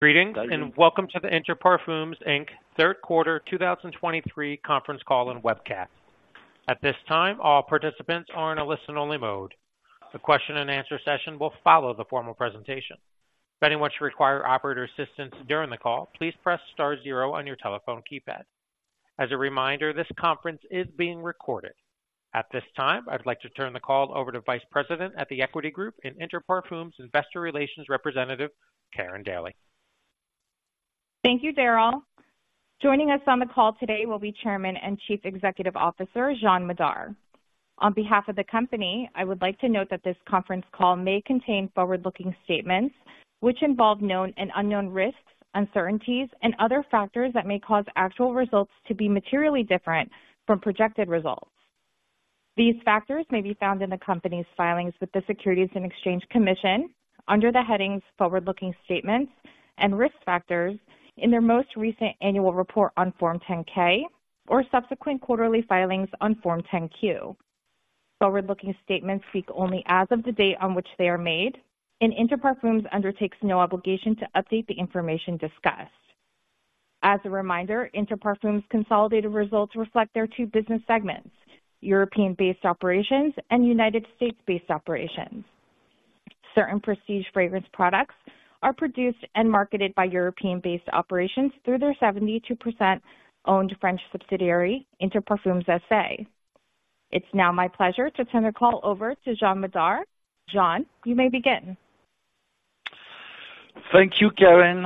Greetings, and welcome to the Inter Parfums, Inc. third quarter 2023 conference call and webcast. At this time, all participants are in a listen-only mode. The question and answer session will follow the formal presentation. If anyone should require operator assistance during the call, please press star zero on your telephone keypad. As a reminder, this conference is being recorded. At this time, I'd like to turn the call over to Vice President at The Equity Group and Inter Parfums Investor Relations representative, Karin Daly. Thank you, Daryl. Joining us on the call today will be Chairman and Chief Executive Officer, Jean Madar. On behalf of the company, I would like to note that this conference call may contain forward-looking statements, which involve known and unknown risks, uncertainties, and other factors that may cause actual results to be materially different from projected results. These factors may be found in the company's filings with the Securities and Exchange Commission under the headings "Forward-Looking Statements" and "Risk Factors" in their most recent annual report on Form 10-K or subsequent quarterly filings on Form 10-Q. Forward-looking statements speak only as of the date on which they are made, and Inter Parfums undertakes no obligation to update the information discussed. As a reminder, Inter Parfums' consolidated results reflect their two business segments, European-based operations and United States-based operations. Certain prestige fragrance products are produced and marketed by European-based operations through their 72% owned French subsidiary, Interparfums SA. It's now my pleasure to turn the call over to Jean Madar. Jean, you may begin. Thank you, Karin.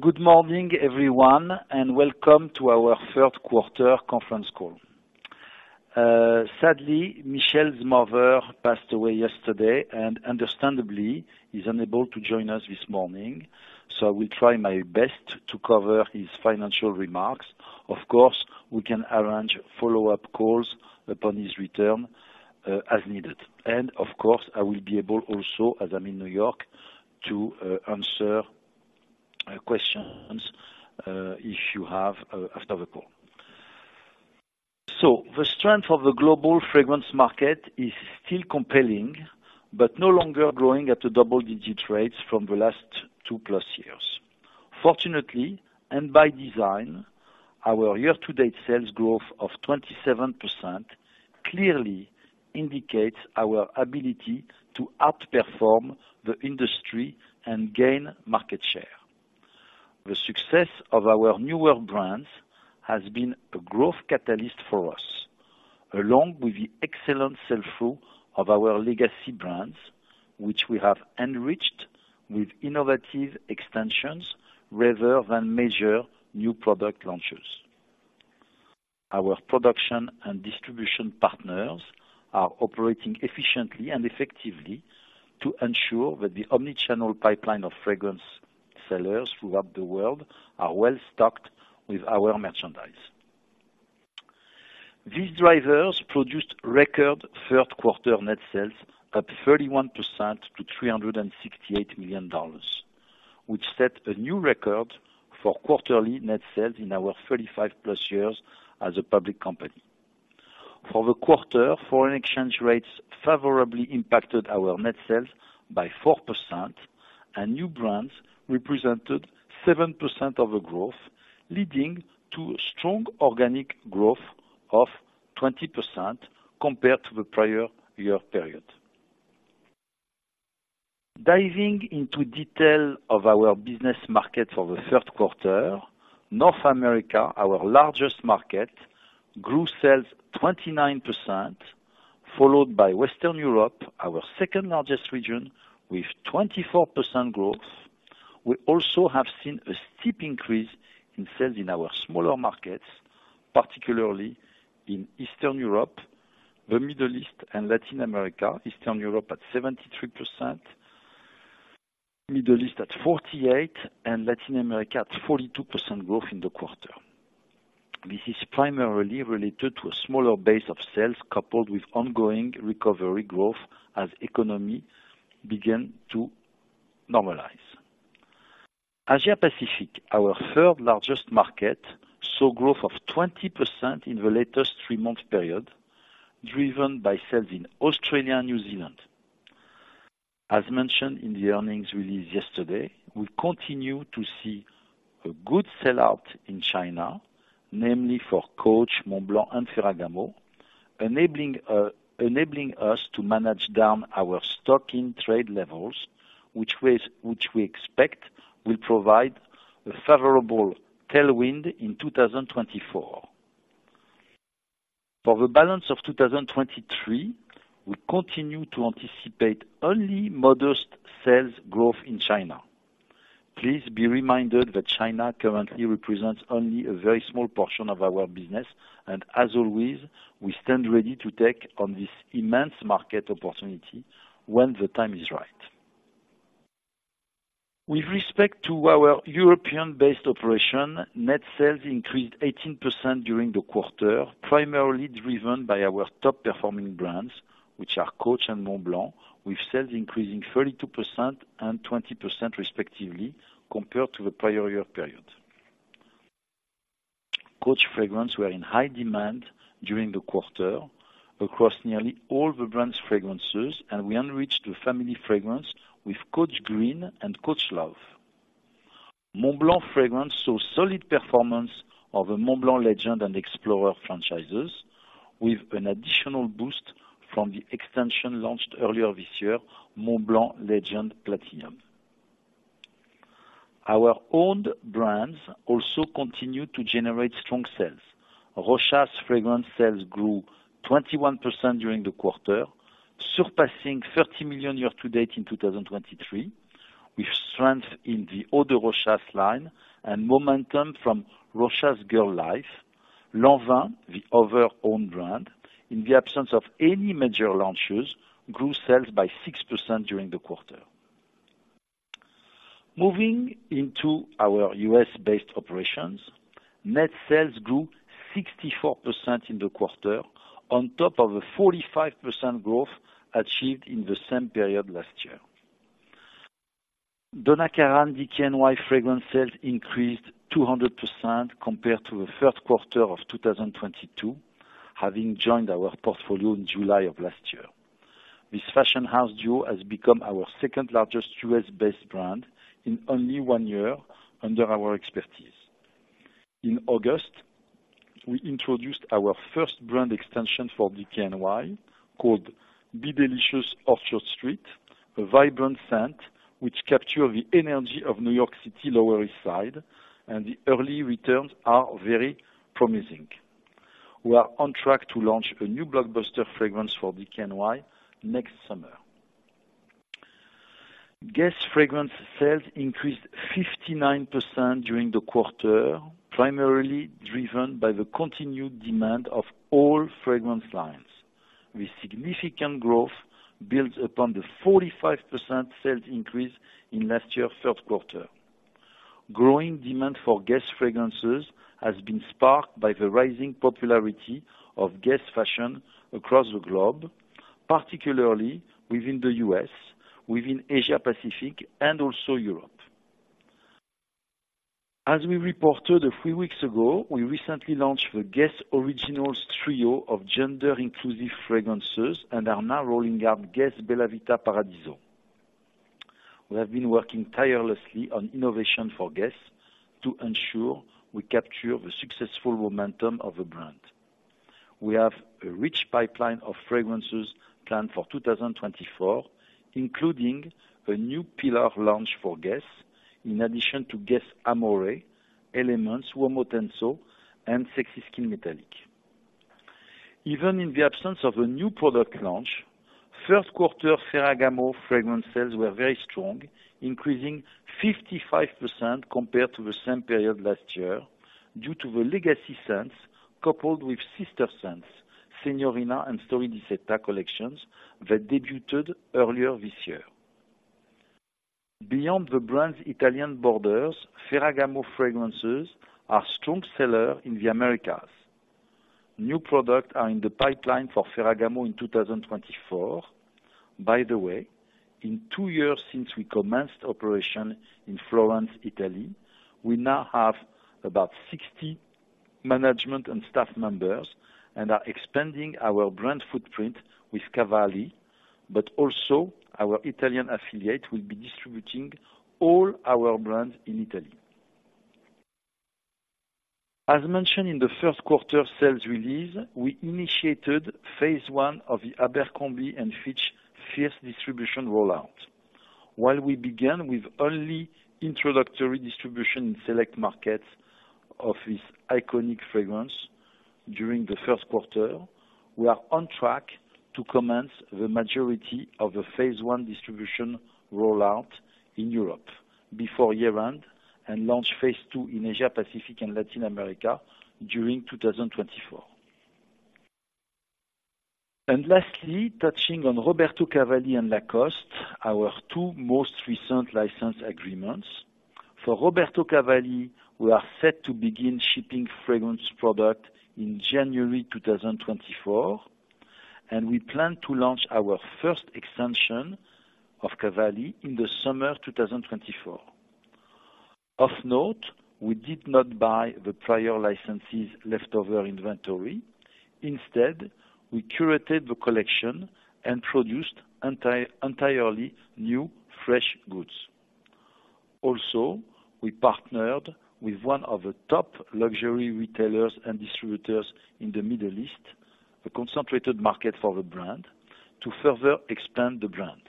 Good morning, everyone, and welcome to our third quarter conference call. Sadly, Michel's mother passed away yesterday and understandably is unable to join us this morning, so I will try my best to cover his financial remarks. Of course, we can arrange follow-up calls upon his return, as needed. Of course, I will be able also, as I'm in New York, to answer questions if you have after the call. The strength of the global fragrance market is still compelling, but no longer growing at a double-digit rates from the last two plus years. Fortunately, and by design, our year-to-date sales growth of 27% clearly indicates our ability to outperform the industry and gain market share. The success of our newer brands has been a growth catalyst for us, along with the excellent sell-through of our legacy brands, which we have enriched with innovative extensions rather than major new product launches. Our production and distribution partners are operating efficiently and effectively to ensure that the omni-channel pipeline of fragrance sellers throughout the world are well-stocked with our merchandise. These drivers produced record third quarter net sales up 31% to $368 million, which set a new record for quarterly net sales in our 35+ years as a public company. For the quarter, foreign exchange rates favorably impacted our net sales by 4%, and new brands represented 7% of the growth, leading to strong organic growth of 20% compared to the prior year period. Diving into detail of our business market for the third quarter, North America, our largest market, grew sales 29%, followed by Western Europe, our second largest region, with 24% growth. We also have seen a steep increase in sales in our smaller markets, particularly in Eastern Europe, the Middle East, and Latin America. Eastern Europe at 72%, Middle East at 48%, and Latin America at 42% growth in the quarter. This is primarily related to a smaller base of sales, coupled with ongoing recovery growth as economy begin to normalize. Asia Pacific, our third largest market, saw growth of 20% in the latest three-month period, driven by sales in Australia and New Zealand. As mentioned in the earnings release yesterday, we continue to see a good sell-out in China, namely for Coach, Montblanc, and Ferragamo, enabling us to manage down our stock in trade levels, which we expect will provide a favorable tailwind in 2024. For the balance of 2023, we continue to anticipate only modest sales growth in China. Please be reminded that China currently represents only a very small portion of our business, and as always, we stand ready to take on this immense market opportunity when the time is right. With respect to our European-based operation, net sales increased 18% during the quarter, primarily driven by our top-performing brands, which are Coach, and Montblanc, with sales increasing 32% and 20%, respectively, compared to the prior year period. Coach fragrance were in high demand during the quarter across nearly all the brand's fragrances, and we enriched the family fragrance with Coach Green and Coach Love. Montblanc fragrance saw solid performance of the Montblanc Legend and Explorer franchises, with an additional boost from the extension launched earlier this year, Montblanc Legend, Platinum. Our owned brands also continue to generate strong sales. Rochas fragrance sales grew 21% during the quarter, surpassing $30 million year to date in 2023, with strength in the Eau de Rochas line and momentum from Rochas Girl Life. Lanvin, the other owned brand, in the absence of any major launches, grew sales by 6% during the quarter. Moving into our U.S.-based operations, net sales grew 64% in the quarter on top of a 45% growth achieved in the same period last year. Donna Karan and DKNY fragrance sales increased 200% compared to the first quarter of 2022, having joined our portfolio in July of last year. This fashion house duo has become our second-largest U.S.-based brand in only one year under our expertise. In August, we introduced our first brand extension for DKNY, called Be Delicious Orchard St., a vibrant scent which capture the energy of New York City, Lower East Side, and the early returns are very promising. We are on track to launch a new blockbuster fragrance for DKNY next summer. GUESS fragrance sales increased 59% during the quarter, primarily driven by the continued demand of all fragrance lines. This significant growth builds upon the 45% sales increase in last year's first quarter. Growing demand for GUESS fragrances has been sparked by the rising popularity of GUESS fashion across the globe, particularly within the U.S., within Asia Pacific, and also Europe. As we reported a few weeks ago, we recently launched the GUESS Originals trio of gender-inclusive fragrances and are now rolling out GUESS Bella Vita Paradiso. We have been working tirelessly on innovation for GUESS to ensure we capture the successful momentum of the brand. We have a rich pipeline of fragrances planned for 2024, including a new pillar launch for GUESS, in addition to GUESS Amore, Elements, Uomo Intenso, and Sexy Skin Metallique. Even in the absence of a new product launch, first quarter Ferragamo fragrance sales were very strong, increasing 55% compared to the same period last year, due to the legacy scents, coupled with sister scents, Signorina and Storie di Seta collections that debuted earlier this year. Beyond the brand's Italian borders, Ferragamo fragrances are strong seller in the Americas. New product are in the pipeline for Ferragamo in 2024. By the way, in two years since we commenced operation in Florence, Italy, we now have about 60 management and staff members and are expanding our brand footprint with Cavalli, but also our Italian affiliate will be distributing all our brands in Italy. As mentioned in the first quarter sales release, we initiated phase one of the Abercrombie & Fitch Fierce distribution rollout. While we began with only introductory distribution in select markets of this iconic fragrance during the first quarter, we are on track to commence the majority of the phase one distribution rollout in Europe before year-end, and launch phase two in Asia, Pacific, and Latin America during 2024. And lastly, touching on Roberto Cavalli and Lacoste, our two most recent license agreements. For Roberto Cavalli, we are set to begin shipping fragrance product in January 2024, and we plan to launch our first extension of Cavalli in the summer of 2024. Of note, we did not buy the prior licenses leftover inventory. Instead, we curated the collection and produced entirely new, fresh goods. Also, we partnered with one of the top luxury retailers and distributors in the Middle East, a concentrated market for the brand, to further expand the brand.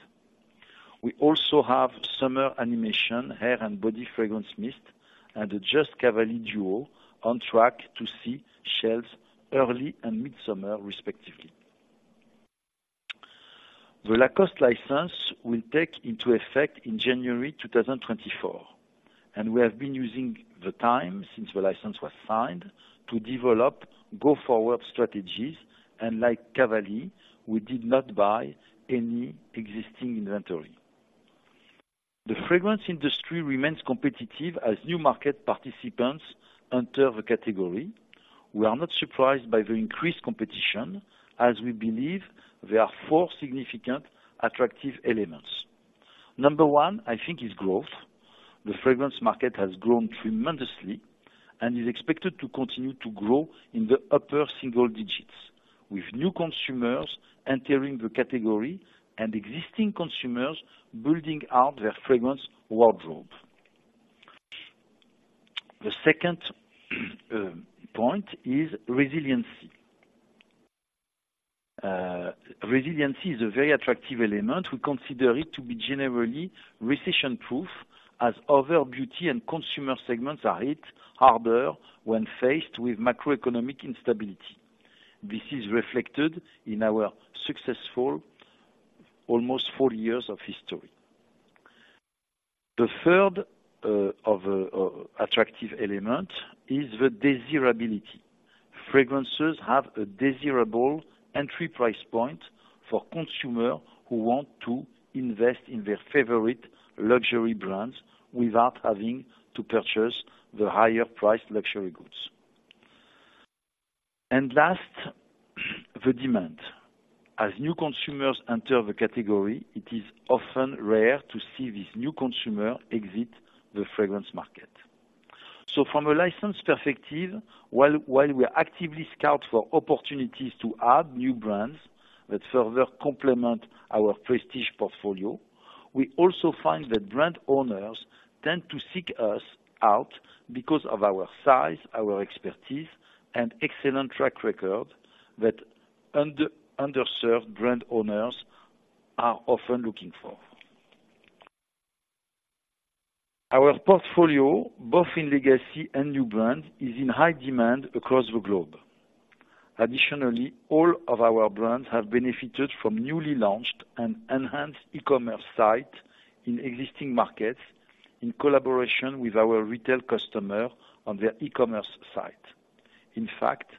We also have summer animation, hair and body fragrance mist, and the Just Cavalli duo on track to see shelves early and mid-summer, respectively. The Lacoste license will take into effect in January 2024, and we have been using the time since the license was signed to develop go-forward strategies, and like Cavalli, we did not buy any existing inventory. The fragrance industry remains competitive as new market participants enter the category. We are not surprised by the increased competition, as we believe there are four significant attractive elements. Number one, I think, is growth. The fragrance market has grown tremendously and is expected to continue to grow in the upper single digits, with new consumers entering the category and existing consumers building out their fragrance wardrobe. The second point is resiliency. Resiliency is a very attractive element. We consider it to be generally recession-proof, as other beauty and consumer segments are hit harder when faced with macroeconomic instability. This is reflected in our successful almost four years of history. The third attractive element is the desirability. Fragrances have a desirable entry price point for consumer who want to invest in their favorite luxury brands without having to purchase the higher-priced luxury goods. And last, the demand. As new consumers enter the category, it is often rare to see these new consumer exit the fragrance market. So from a license perspective, while we actively scout for opportunities to add new brands that further complement our prestige portfolio, we also find that brand owners tend to seek us out because of our size, our expertise, and excellent track record that underserved brand owners are often looking for. Our portfolio, both in legacy and new brands, is in high demand across the globe. Additionally, all of our brands have benefited from newly launched and enhanced e-commerce site in existing markets, in collaboration with our retail customer on their e-commerce site. In fact,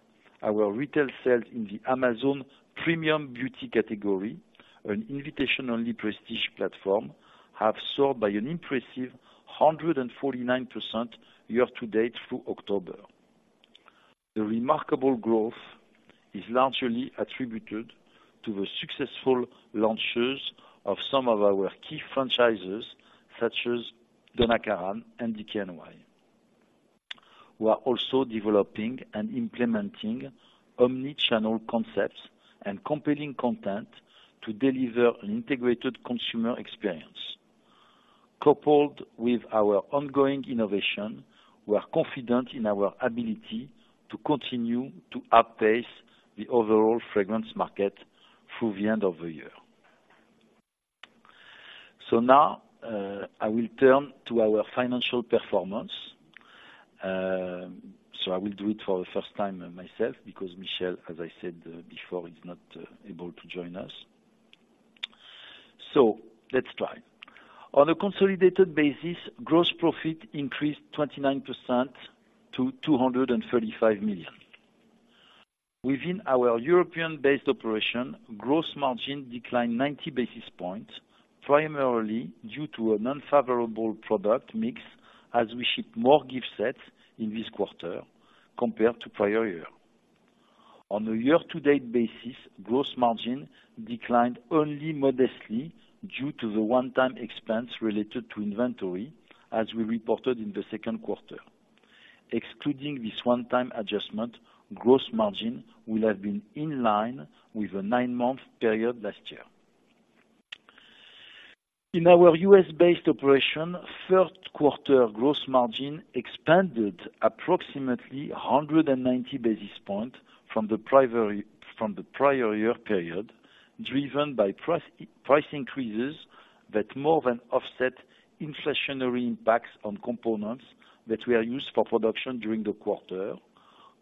our retail sales in the Amazon Premium Beauty category, an invitation-only prestige platform, have soared by an impressive 149% year-to-date through October. The remarkable growth is largely attributed to the successful launches of some of our key franchises, such as Donna Karan and DKNY. We are also developing and implementing omni-channel concepts and compelling content to deliver an integrated consumer experience. Coupled with our ongoing innovation, we are confident in our ability to continue to outpace the overall fragrance market through the end of the year. So now, I will turn to our financial performance. So I will do it for the first time myself, because Michel, as I said before, is not able to join us. So let's try. On a consolidated basis, gross profit increased 29% to $235 million. Within our European-based operation, gross margin declined 90 basis points, primarily due to an unfavorable product mix, as we ship more gift sets in this quarter compared to prior year. On a year-to-date basis, gross margin declined only modestly due to the one-time expense related to inventory, as we reported in the second quarter. Excluding this one-time adjustment, gross margin would have been in line with the nine-month period last year. In our U.S.-based operation, third quarter gross margin expanded approximately 190 basis points from the prior year period, driven by price increases that more than offset inflationary impacts on components that were used for production during the quarter,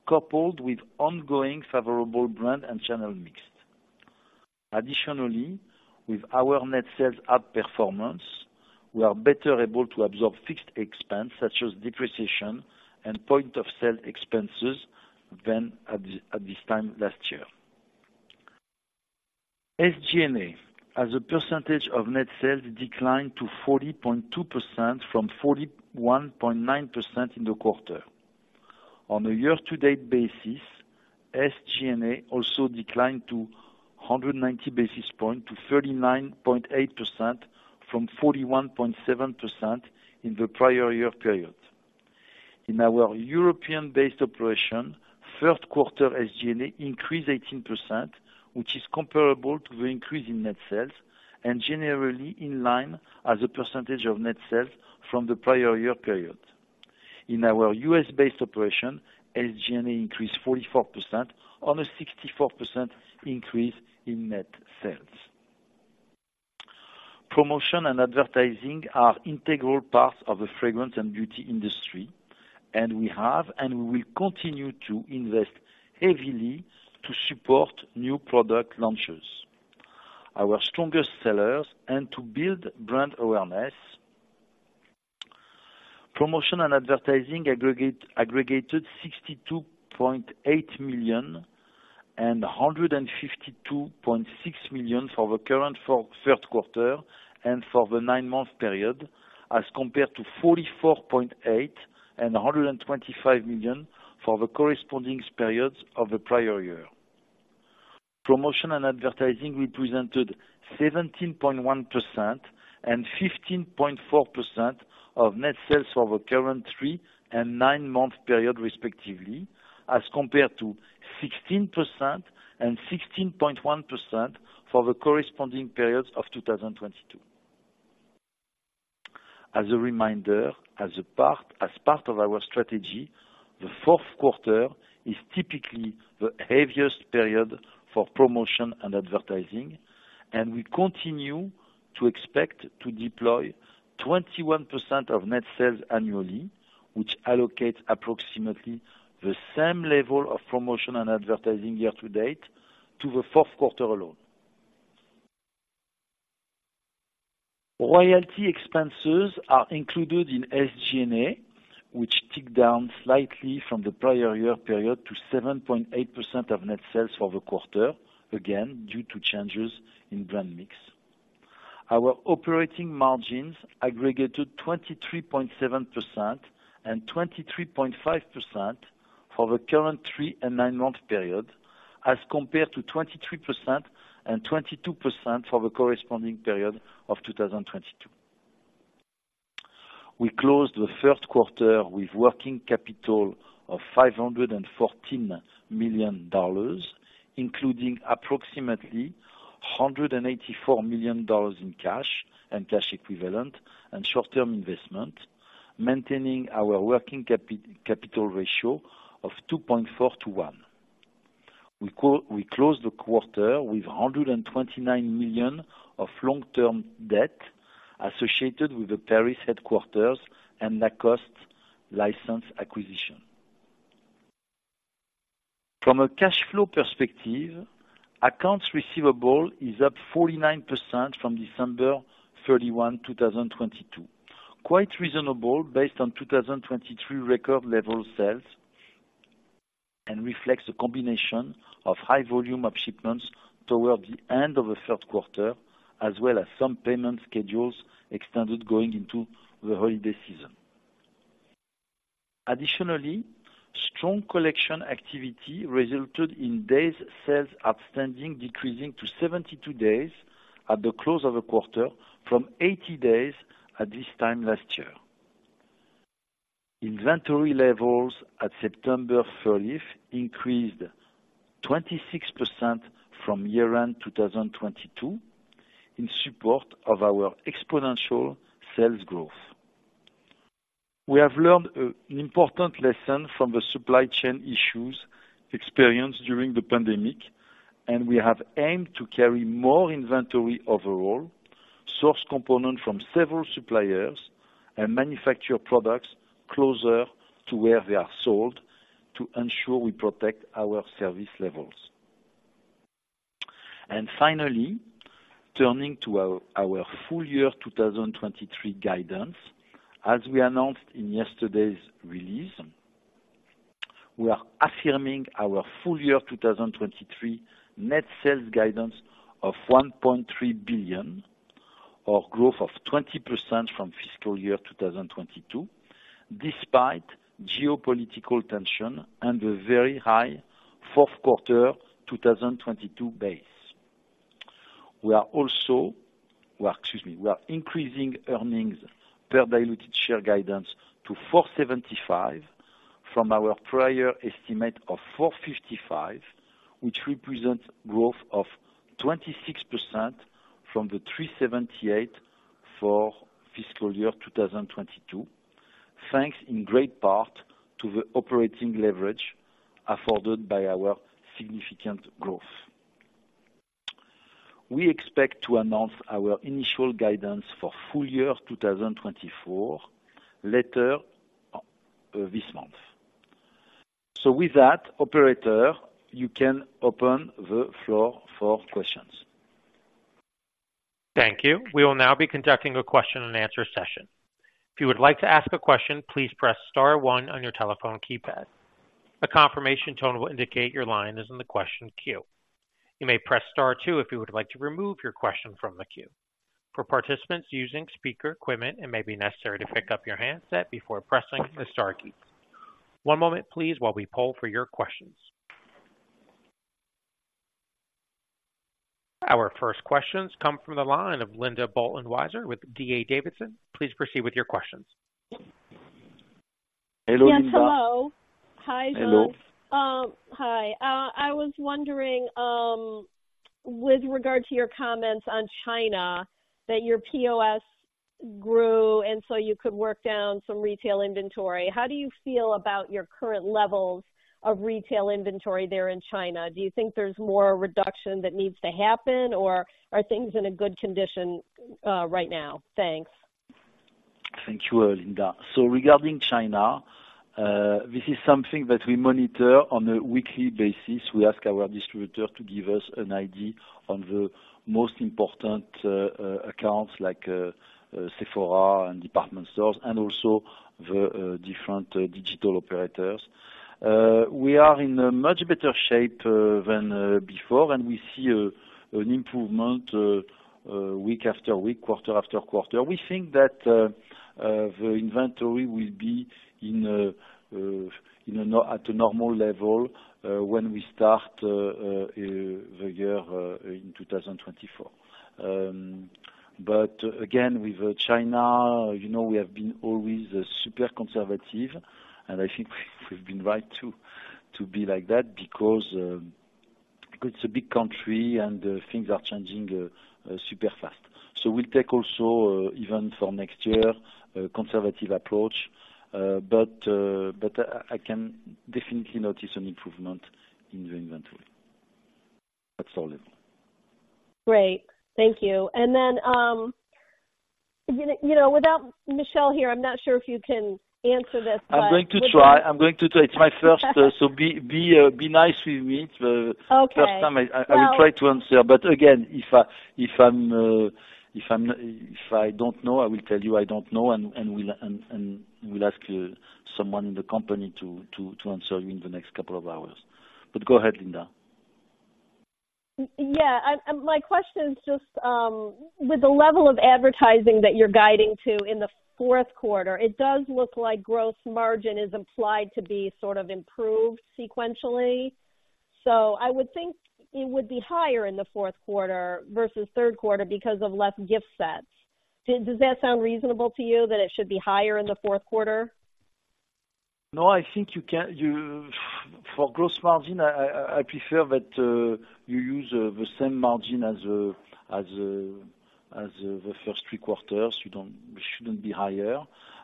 coupled with ongoing favorable brand and channel mix. Additionally, with our net sales up performance, we are better able to absorb fixed expenses such as depreciation and point of sale expenses than at this time last year. SG&A, as a percentage of net sales, declined to 40.2% from 41.9% in the quarter. On a year-to-date basis, SG&A also declined 190 basis points to 39.8% from 41.7% in the prior year period. In our European-based operation, first quarter SG&A increased 18%, which is comparable to the increase in net sales and generally in line as a percentage of net sales from the prior year period. In our U.S.-based operation, SG&A increased 44% on a 64% increase in net sales. Promotion and advertising are integral parts of the fragrance and beauty industry, and we have, and we will continue to invest heavily to support new product launches, our strongest sellers, and to build brand awareness. Promotion and advertising aggregated $62.8 million and $152.6 million for the current for third quarter and for the nine-month period, as compared to $44.8 million and $125 million for the corresponding periods of the prior year.... Promotion and advertising represented 17.1% and 15.4% of net sales for the current three- and nine-month period, respectively, as compared to 16% and 16.1% for the corresponding periods of 2022. As a reminder, as a part of our strategy, the fourth quarter is typically the heaviest period for promotion and advertising, and we continue to expect to deploy 21% of net sales annually, which allocates approximately the same level of promotion and advertising year to date to the fourth quarter alone. Royalty expenses are included in SG&A, which ticked down slightly from the prior year period to 7.8% of net sales for the quarter, again, due to changes in brand mix. Our operating margins aggregated 23.7% and 23.5% for the current three- and nine-month period, as compared to 23% and 22% for the corresponding period of 2022. We closed the first quarter with working capital of $514 million, including approximately $184 million in cash and cash equivalent and short-term investment, maintaining our working capital ratio of 2.4-1. We closed the quarter with $129 million of long-term debt associated with the Paris headquarters and the Lacoste license acquisition. From a cash flow perspective, accounts receivable is up 49% from December 31, 2022. Quite reasonable based on 2023 record level sales, and reflects a combination of high volume of shipments towards the end of the third quarter, as well as some payment schedules extended going into the holiday season. Additionally, strong collection activity resulted in days sales outstanding decreasing to 72 days at the close of a quarter, from 80 days at this time last year. Inventory levels at September 30 increased 26% from year-end 2022, in support of our exponential sales growth. We have learned an important lesson from the supply chain issues experienced during the pandemic, and we have aimed to carry more inventory overall, source components from several suppliers, and manufacture products closer to where they are sold to ensure we protect our service levels. Finally, turning to our full year 2023 guidance. As we announced in yesterday's release, we are affirming our full year 2023 net sales guidance of $1.3 billion, or growth of 20% from fiscal year 2022, despite geopolitical tension and a very high fourth quarter 2022 base. We are also... Well, excuse me. We are increasing earnings per diluted share guidance to $4.75 from our prior estimate of $4.55, which represents growth of 26% from the $3.78 for fiscal year 2022. Thanks in great part to the operating leverage afforded by our significant growth. We expect to announce our initial guidance for full year 2024, later this month. So with that, operator, you can open the floor for questions. Thank you. We will now be conducting a question and answer session. If you would like to ask a question, please press star one on your telephone keypad. A confirmation tone will indicate your line is in the question queue. You may press star two if you would like to remove your question from the queue. For participants using speaker equipment, it may be necessary to pick up your handset before pressing the star key. One moment, please, while we poll for your questions. Our first questions come from the line of Linda Bolton Weiser with D.A. Davidson. Please proceed with your questions. Hello, Linda. Yes, hello. Hi, guys. Hello. Hi. I was wondering, with regard to your comments on China, that your POS grew and so you could work down some retail inventory. How do you feel about your current levels of retail inventory there in China? Do you think there's more reduction that needs to happen, or are things in a good condition, right now? Thanks. Thank you, Linda. So regarding China, this is something that we monitor on a weekly basis. We ask our distributor to give us an idea on the most important accounts like Sephora and department stores, and also the different digital operators. We are in a much better shape than before, and we see an improvement week after week, quarter after quarter. We think that the inventory will be at a normal level when we start the year in 2024. But again, with China, you know, we have been always super conservative, and I think we've been right to be like that, because it's a big country, and things are changing super fast. So we'll take also, even for next year, a conservative approach. But I can definitely notice an improvement in the inventory at store level. Great. Thank you. And then, you know, you know, without Michel here, I'm not sure if you can answer this, but- I'm going to try. I'm going to try. It's my first, so be nice with me. Okay. It's the first time I- Well- I will try to answer, but again, if I'm not... If I don't know, I will tell you I don't know, and will ask someone in the company to answer you in the next couple of hours. But go ahead, Linda. Yeah, and my question is just, with the level of advertising that you're guiding to in the fourth quarter, it does look like gross margin is implied to be sort of improved sequentially. So I would think it would be higher in the fourth quarter versus third quarter because of less gift sets. Does that sound reasonable to you, that it should be higher in the fourth quarter? No, I think you can. For gross margin, I prefer that you use the same margin as the first three quarters. It shouldn't be higher.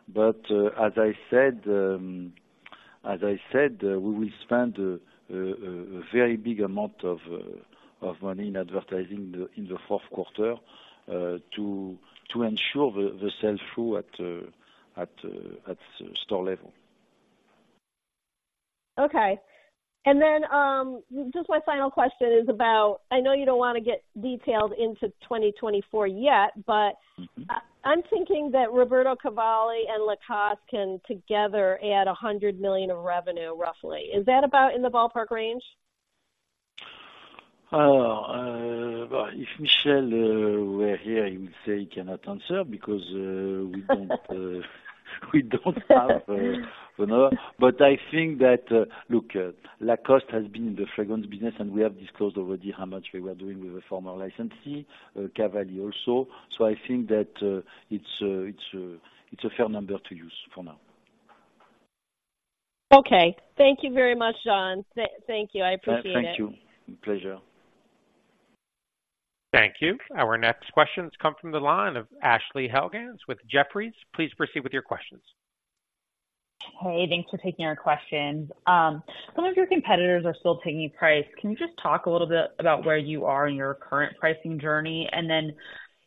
But as I said, we will spend a very big amount of money in advertising in the fourth quarter to ensure the sell-through at store level. Okay. And then, just my final question is about... I know you don't want to get detailed into 2024 yet, but- Mm-hmm. I'm thinking that Roberto Cavalli and Lacoste can together add $100 million of revenue, roughly. Is that about in the ballpark range? Well, if Michel were here, he would say he cannot answer because we don't have, you know. But I think that, look, Lacoste has been in the fragrance business, and we have disclosed already how much we were doing with the former licensee, Cavalli also. So I think that it's a fair number to use for now. Okay. Thank you very much, Jean. Thank you. I appreciate it. Thank you. Pleasure. Thank you. Our next questions come from the line of Ashley Helgans with Jefferies. Please proceed with your questions. Hey, thanks for taking our questions. Some of your competitors are still taking price. Can you just talk a little bit about where you are in your current pricing journey? And then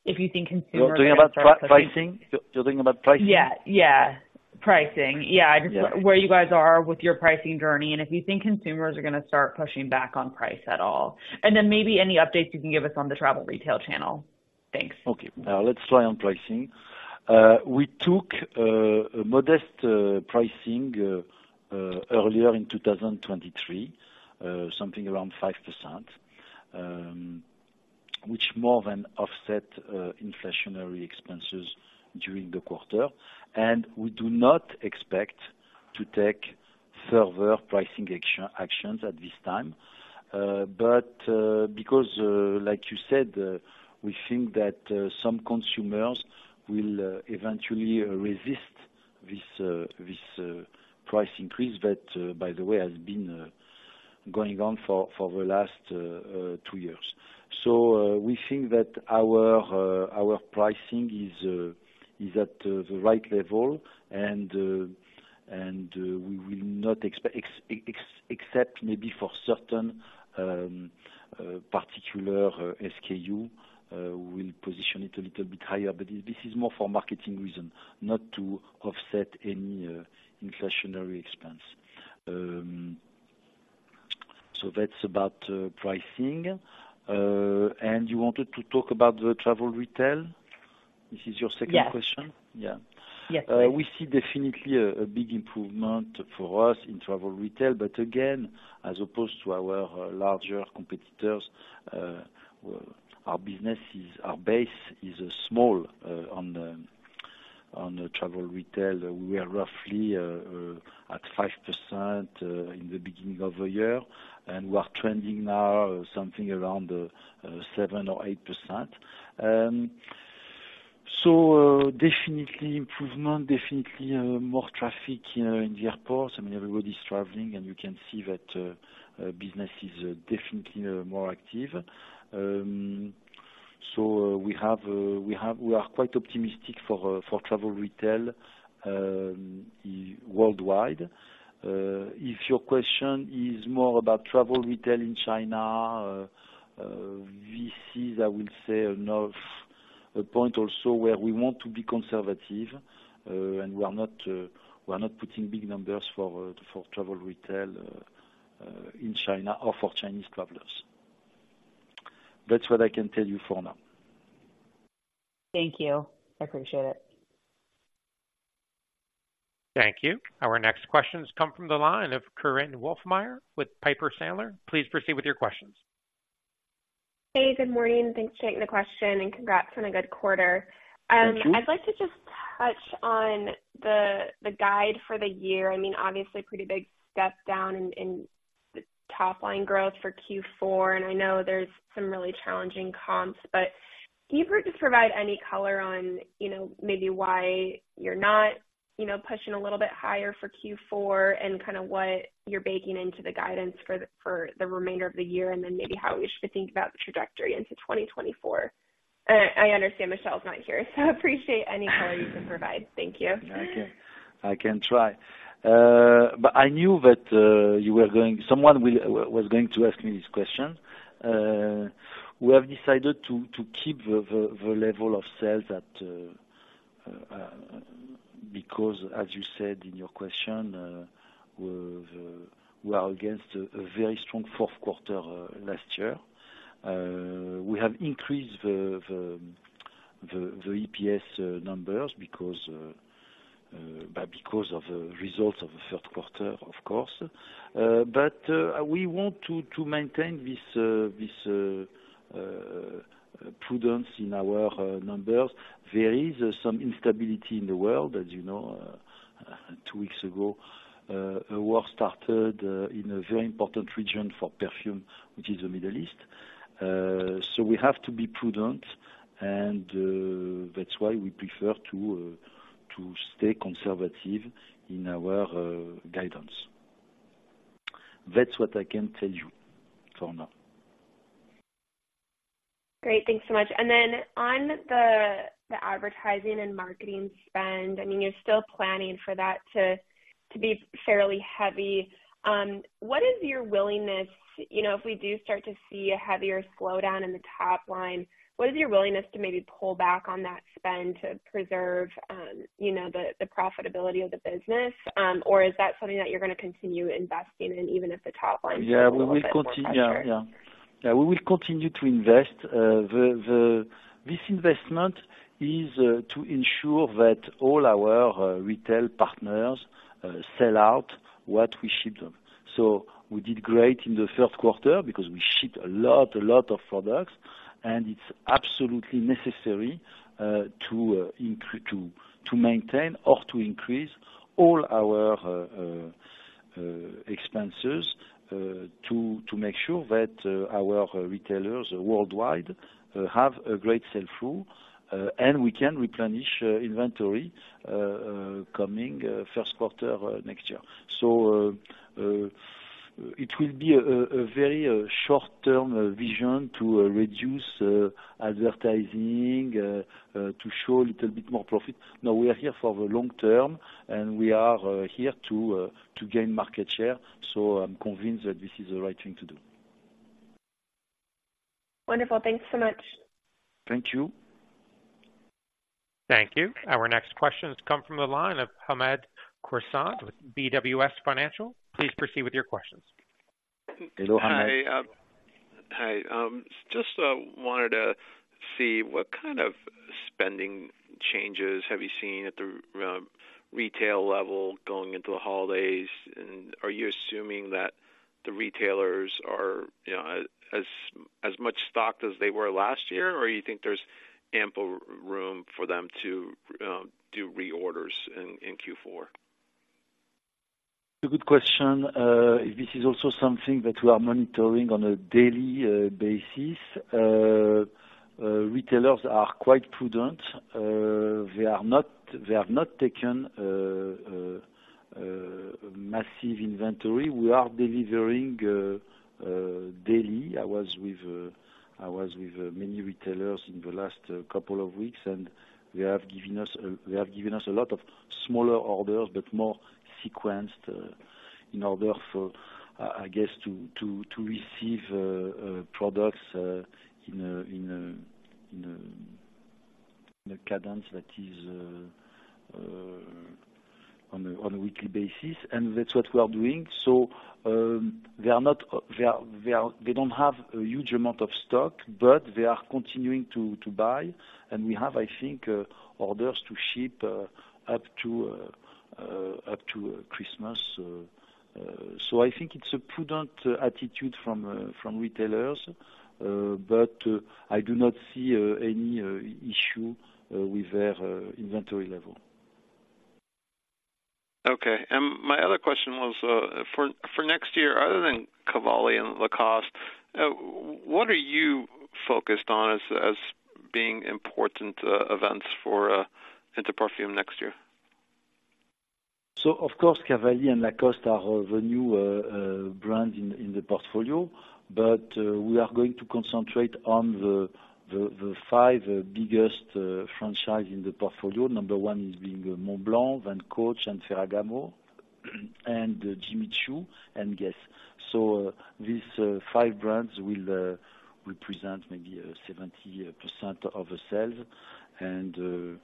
if you think consumers are- You're talking about pricing? You're talking about pricing? Yeah, yeah. Pricing. Yeah. Yeah. Just where you guys are with your pricing journey, and if you think consumers are gonna start pushing back on price at all? And then maybe any updates you can give us on the travel retail channel? Thanks. Okay. Let's try on pricing. We took a modest pricing earlier in 2023, something around 5%, which more than offset inflationary expenses during the quarter. And we do not expect to take further pricing actions at this time. But because, like you said, we think that some consumers will eventually resist this price increase, that, by the way, has been going on for the last two years. So, we think that our pricing is at the right level, and we will not expect... Except maybe for certain particular SKU, we'll position it a little bit higher. But this is more for marketing reason, not to offset any inflationary expense. So that's about pricing. You wanted to talk about the travel retail? This is your second question. Yes. Yeah. Yes. We see definitely a big improvement for us in travel retail, but again, as opposed to our larger competitors, our business is our base is small on the travel retail. We are roughly at 5% in the beginning of the year, and we are trending now something around 7%-8%. So definitely improvement, definitely more traffic, you know, in the airports. I mean, everybody's traveling, and you can see that business is definitely more active. So we are quite optimistic for travel retail worldwide. If your question is more about travel retail in China, this is, I will say, enough, a point also where we want to be conservative, and we are not putting big numbers for travel retail in China or for Chinese travelers. That's what I can tell you for now. Thank you. I appreciate it. Thank you. Our next questions come from the line of Korinne Wolfmeyer with Piper Sandler. Please proceed with your questions. Hey, good morning. Thanks for taking the question, and congrats on a good quarter. Thank you. I'd like to just touch on the guide for the year. I mean, obviously pretty big step down in the top line growth for Q4, and I know there's some really challenging comps, but can you just provide any color on, you know, maybe why you're not, you know, pushing a little bit higher for Q4, and kind of what you're baking into the guidance for the remainder of the year, and then maybe how we should think about the trajectory into 2024? I understand Michel's not here, so appreciate any color you can provide. Thank you. I can, I can try. But I knew that someone was going to ask me this question. We have decided to keep the level of sales at, because as you said in your question, we're against a very strong fourth quarter last year. We have increased the EPS numbers because of the results of the third quarter, of course. But we want to maintain this prudence in our numbers. There is some instability in the world, as you know. Two weeks ago, a war started in a very important region for perfume, which is the Middle East. So we have to be prudent, and that's why we prefer to stay conservative in our guidance. That's what I can tell you for now. Great. Thanks so much. And then on the advertising and marketing spend, I mean, you're still planning for that to be fairly heavy. What is your willingness... You know, if we do start to see a heavier slowdown in the top line, what is your willingness to maybe pull back on that spend to preserve, you know, the profitability of the business? Or is that something that you're gonna continue investing in, even if the top line- Yeah, we will continue- A little bit more pressure. Yeah, yeah. Yeah, we will continue to invest. This investment is to ensure that all our retail partners sell out what we ship them. So we did great in the third quarter because we shipped a lot, a lot of products, and it's absolutely necessary to maintain or to increase all our expenses to make sure that our retailers worldwide have a great sell-through, and we can replenish inventory coming first quarter next year. So it will be a very short-term vision to reduce advertising to show a little bit more profit. No, we are here for the long term, and we are here to gain market share, so I'm convinced that this is the right thing to do. Wonderful. Thanks so much. Thank you. Thank you. Our next question has come from the line of Hamed Khorsand with BWS Financial. Please proceed with your questions. Hello, Hamed. Hi. Hi, just wanted to see what kind of spending changes have you seen at the retail level going into the holidays? And are you assuming that the retailers are, you know, as much stocked as they were last year, or you think there's ample room for them to do reorders in Q4? A good question. This is also something that we are monitoring on a daily basis. Retailers are quite prudent. They are not, they have not taken massive inventory. We are delivering daily. I was with many retailers in the last couple of weeks, and they have given us a lot of smaller orders, but more sequenced in order for, I GUESS to receive products in a cadence that is on a weekly basis, and that's what we are doing. So, they are not. They don't have a huge amount of stock, but they are continuing to buy, and we have, I think, orders to ship up to Christmas. So, I think it's a prudent attitude from retailers, but I do not see any issue with their inventory level. Okay. And my other question was, for next year, other than Cavalli and Lacoste, what are you focused on as being important events for Inter Parfums next year? Of course, Cavalli and Lacoste are the new brand in the portfolio. But we are going to concentrate on the five biggest franchise in the portfolio. Number one is being Montblanc, then Coach and Ferragamo, and Jimmy Choo, and GUESS. So these five brands will represent maybe 70% of the sales, and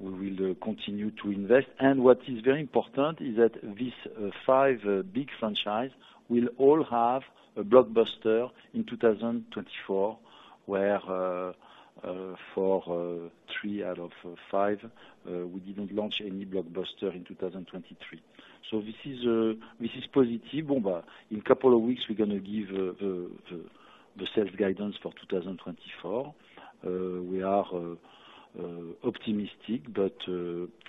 we will continue to invest. And what is very important is that these five big franchise will all have a blockbuster in 2024, where for three out of five we didn't launch any blockbuster in 2023. So this is positive. In a couple of weeks, we're gonna give the sales guidance for 2024. We are optimistic, but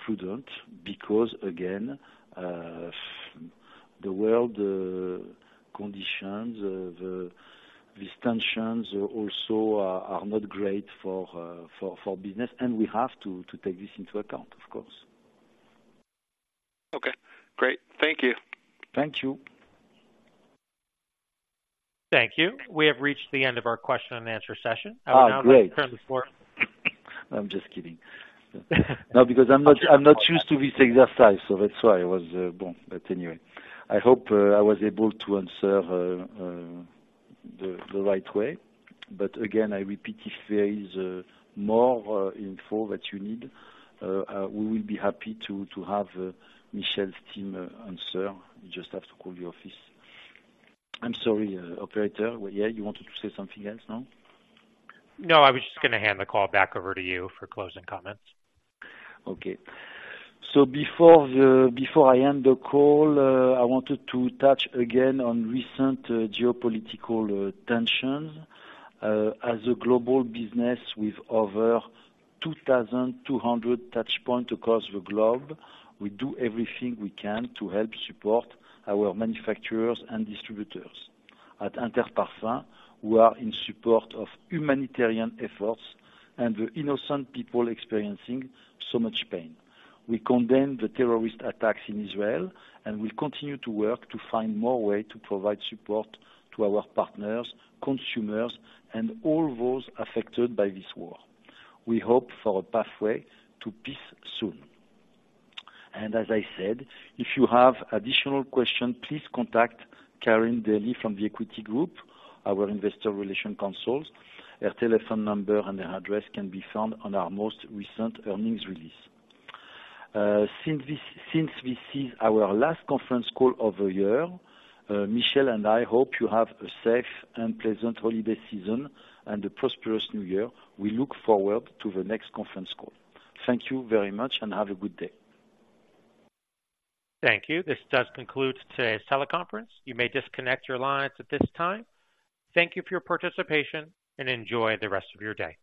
prudent, because again, the world conditions, these tensions also are not great for business, and we have to take this into account, of course. Okay, great. Thank you. Thank you. Thank you. We have reached the end of our question and answer session. Ah, great! I'm just kidding. No, because I'm not, I'm not used to this exercise, so that's why I was born. But anyway, I hope I was able to answer the right way. But again, I repeat, if there is more info that you need, we will be happy to have Michel's team answer. You just have to call the office. I'm sorry, operator. Yeah, you wanted to say something else, no? No, I was just gonna hand the call back over to you for closing comments. Okay. So before I end the call, I wanted to touch again on recent geopolitical tensions. As a global business with over 2,200 touchpoints across the globe, we do everything we can to help support our manufacturers and distributors. At Inter Parfums, we are in support of humanitarian efforts and the innocent people experiencing so much pain. We condemn the terrorist attacks in Israel, and we continue to work to find more ways to provide support to our partners, consumers, and all those affected by this war. We hope for a pathway to peace soon. And as I said, if you have additional questions, please contact Karin Daly from The Equity Group, our investor relations consultant. Her telephone number and her address can be found on our most recent earnings release. Since this is our last conference call of the year, Michel and I hope you have a safe and pleasant holiday season and a prosperous New Year. We look forward to the next conference call. Thank you very much, and have a good day. Thank you. This does conclude today's teleconference. You may disconnect your lines at this time. Thank you for your participation, and enjoy the rest of your day.